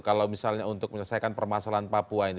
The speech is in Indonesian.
kalau misalnya untuk menyelesaikan permasalahan papua ini